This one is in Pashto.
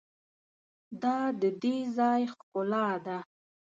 دا د دې ځای ښکلا ده.